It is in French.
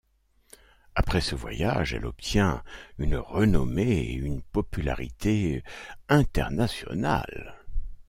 Avec ce voyage, elle obtient une renommée et une popularité internationales.